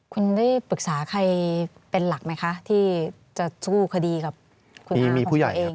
คุณได้ปรึกษาใครเป็นหลักไหมคะที่จะสู้คดีกับคุณผู้ใหญ่เอง